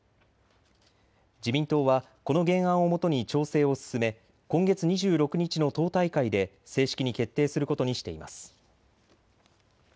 自民党はこの原案をもとに調整を進め、今月２６日の党大会で正式に決定することにしています。